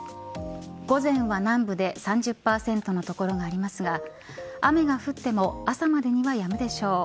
午前は南部で３０％の所がありますが雨が降っても朝までにはやむでしょう。